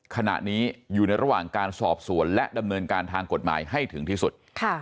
ขณะนี้อยู่ในระหว่างการสอบสวนและดำเนินการทางกฎหมายให้ถึงที่สุด